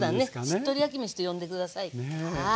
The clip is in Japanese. しっとり焼きめしと呼んで下さい。